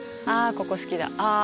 ここ好きだああ